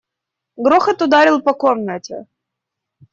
Грохот ударил по комнате.